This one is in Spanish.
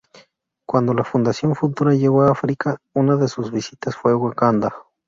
Cuando la Fundación Futura llegó a África, una de sus visitas fue Wakanda.